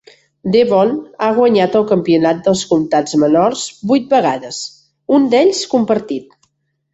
Devon ha guanyat el Campionat dels Comtats Menors vuit vegades, un d'ells compartit.